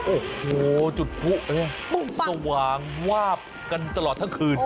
โอ้โหจุดผู้สว่างวาบกันตลอดทั้งคืน